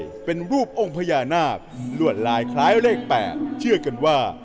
จะเป็นรูปองค์พญานาคลวดลายคล้ายเลข๘เชื่อกันว่า